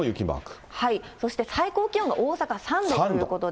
そして最高気温が大阪３度ということで。